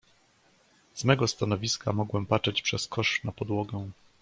"Z mego stanowiska mogłem patrzeć przez kosz na podłogę."